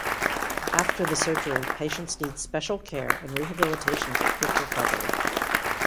After the surgery, patients need special care and rehabilitation for quick recovery.